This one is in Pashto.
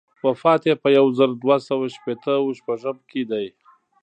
وفات یې په یو زر دوه سوه شپېته و شپږم کې دی.